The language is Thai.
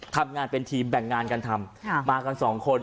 ทำงานเป็นทีมแบ่งงานกันทำมากันสองคน